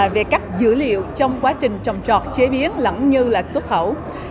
về các dữ liệu trong quá trình trồng trọt chế biến lẫn như là xuất khẩu